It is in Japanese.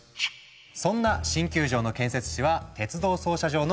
そんな新球場の建設地は鉄道操車場の跡地。